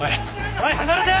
はい離れて！